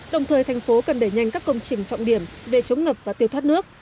đồng thời thành phố cần đẩy nhanh các công trình trọng điểm về chống ngập và tiêu thoát nước